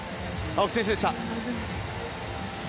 青木選手でした。